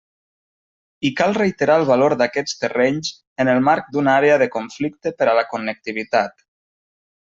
I cal reiterar el valor d'aquests terrenys en el marc d'una àrea de conflicte per a la connectivitat.